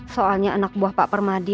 soalnya anak buah pak permadi